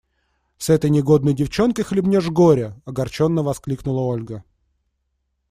С этой негодной девчонкой хлебнешь горя! – огорченно воскликнула Ольга.